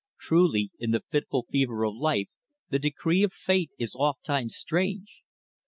Truly in the fitful fever of life the decree of Fate is oft times strange.